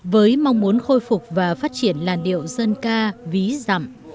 với mong muốn khôi phục và phát triển làn điệu dân ca ví dặm